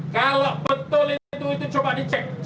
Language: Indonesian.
kalau betul itu itu coba dicek